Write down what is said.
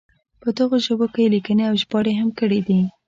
په دغو ژبو کې یې لیکنې او ژباړې هم کړې دي.